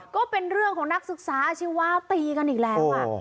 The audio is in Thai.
ก็เป็นเรื่องของนักศึกษาอาชีวะตีกันอีกแล้ว